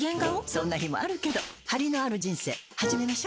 そんな日もあるけどハリのある人生始めましょ。